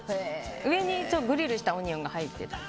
上にグリルしたオニオンが入っていたり。